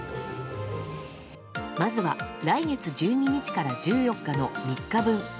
まずは来月１２日から１４日の３日分。